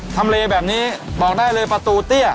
ทำเลแบบนี้บอกได้เลยประตูเตี้ย